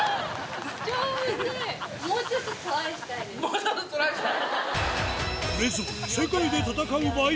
もうちょっとトライしたい？